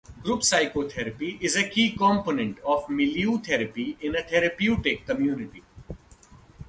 Group psychotherapy is a key component of milieu therapy in a therapeutic community.